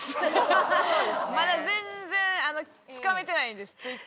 まだ全然つかめてないんですＴｗｉｔｔｅｒを。